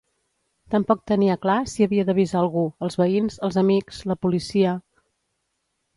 Tampoc tenia clar si havia d'avisar algú, els veïns, els amics, la policia...